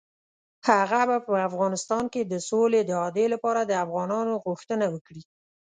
هغه به په افغانستان کې د سولې د اعادې لپاره د افغانانو غوښتنه وکړي.